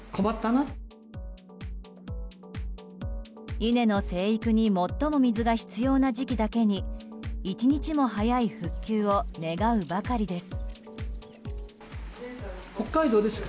稲の生育に最も水が必要な時期だけに１日も早い復旧を願うばかりです。